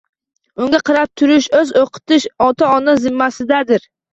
Unga qarab turish va oʻqitish ota ona zimmasidadir